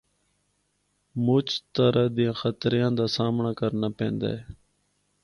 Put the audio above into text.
مُچ طرح دیاں خطریاں دا سامنڑا کرنا پیندا ہے۔